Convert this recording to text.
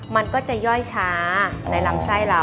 มันก็จะย่อยช้าในลำไส้เรา